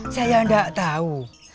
saya gak tau